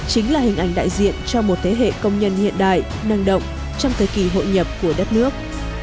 chính là hình ảnh đại diện cho một thế hệ công nhân hiện đại năng động trong thời kỳ hội nhập của đất nước